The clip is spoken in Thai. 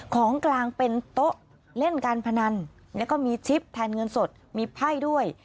ของกลางเป็นโต๊ะเล่นการพนันแล้วก็มีชิปแทนเงินสดมีไพ่ด้วย